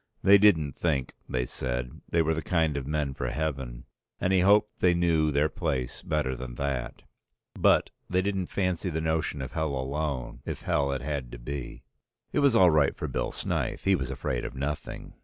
They didn't think, they said, they were the kind of men for Heaven, and he hoped they knew their place better than that, but they didn't fancy the notion of Hell alone, if Hell it had to be. It was all right for Bill Snyth, he was afraid of nothing.